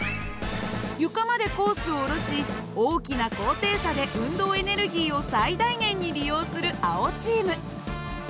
床までコースを下ろし大きな高低差で運動エネルギーを最大限に利用する青チーム。